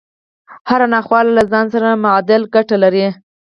هره ناخواله له ځان سره معادل ګټه لري